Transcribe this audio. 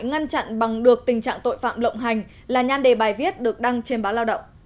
ngăn chặn bằng được tình trạng tội phạm lộng hành là nhan đề bài viết được đăng trên báo lao động